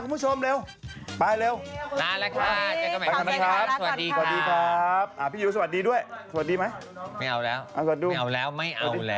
โปรดติดตามตอนต่อไป